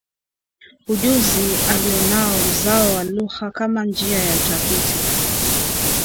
ujuzi alionao mzawa wa lugha kama njia ya utafiti